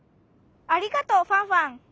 ありがとうファンファン。